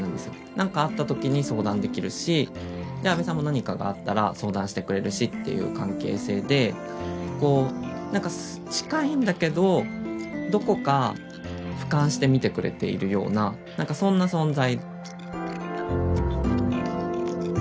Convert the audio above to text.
何かあった時に相談できるしで阿部さんも何かがあったら相談してくれるしっていう関係性でこうなんか近いんだけどどこか俯瞰して見てくれているようななんかそんな存在。